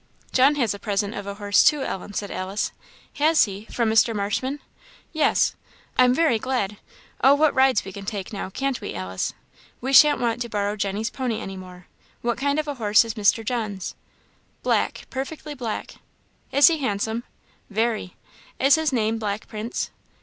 "John has a present of a horse, too, Ellen," said Alice. "Has he? from Mr. Marshman?" "Yes." "I'm very glad! Oh, what rides we can take now, can't we, Alice? We shan't want to borrow Jenny's pony any more. What kind of a horse is Mr. John's?" "Black perfectly black." "Is he handsome?" "Very." "Is his name Black Prince?"